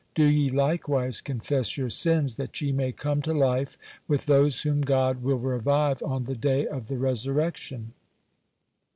Do ye likewise confess your sins, that ye may come to life with those whom God will revive on the day of the resurrection."